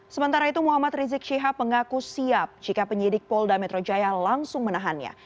sementara itu muhammad rizik syihab mengaku siap jika penyidik polda metro jaya langsung menahannya